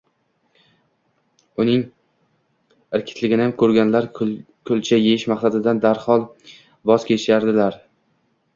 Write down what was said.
Uning irkitligini ko'rganlar kulcha yeyish maqsadidan darhol voz kechardilar.